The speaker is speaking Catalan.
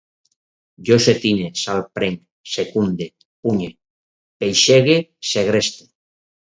Jo setine, salprenc, secunde, punye, peixege, segreste